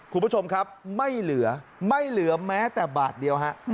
คุณผู้ชมครับไม่เหลือไม่เหลือแม้แต่บาทเดียวฮะ